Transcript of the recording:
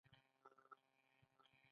آیا په ډیر زیار او مینه نه دی؟